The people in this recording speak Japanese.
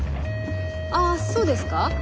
あっそうですか？